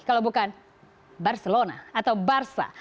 kalau bukan barcelona atau barca